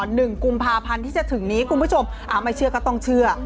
หนึ่งกุมภาพันธ์ที่จะถึงนี้คุณผู้ชมอ่าไม่เชื่อก็ต้องเชื่อ